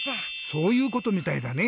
そういうことみたいだね。